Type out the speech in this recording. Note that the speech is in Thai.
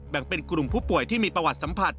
แบ่งเป็นกลุ่มผู้ป่วยที่มีประวัติสัมผัส